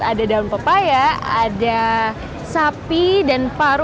ada daun pepaya ada sapi dan paru